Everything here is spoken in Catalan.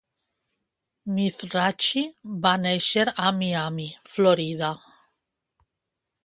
Mizrachi va néixer a Miami, Florida.